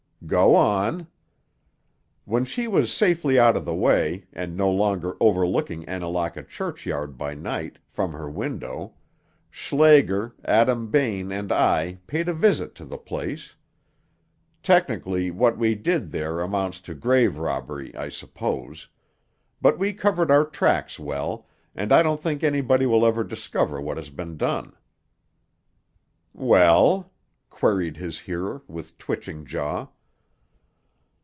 "Go on." "When she was safely out of the way, and no longer overlooking Annalaka churchyard by night, from her window, Schlager, Adam Bain and I paid a visit to the place. Technically, what we did there amounts to grave robbery, I suppose. But we covered our tracks well, and I don't think anybody will ever discover what has been done." "Well?" queried his hearer, with twitching jaw.